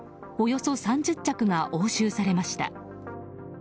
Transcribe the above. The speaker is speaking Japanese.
およそ３０着が押収されました。